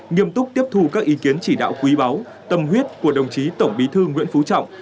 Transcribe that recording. nghiêm túc tiếp thu các ý kiến chỉ đạo quý báu tâm huyết của đồng chí tổng bí thư nguyễn phú trọng